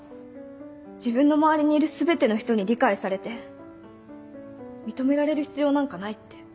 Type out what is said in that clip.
自分の周りにいる全ての人に理解されて認められる必要なんかないって。